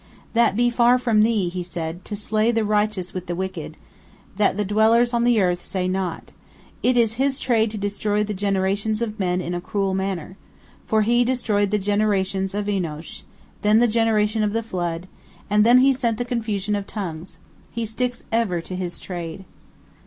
"That be far from Thee," he said, "to slay the righteous with the wicked, that the dwellers on the earth say not, 'It is His trade to destroy the generations of men in a cruel manner; for He destroyed the generation of Enosh, then the generation of the flood, and then He sent the confusion of tongues. He sticks ever to His trade.'"